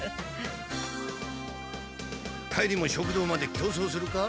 帰りも食堂まで競走するか？